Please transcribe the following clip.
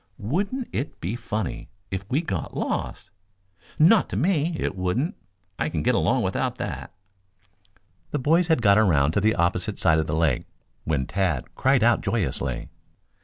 Wouldn't it be funny if we got lost?" "Not to me, it wouldn't. I can get along without that." The boys had got around to the opposite side of the lake when Tad cried out joyously.